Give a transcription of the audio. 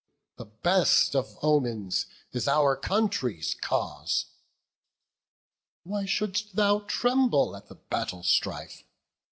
The best of omens is our country's cause. Why shouldst thou tremble at the battle strife?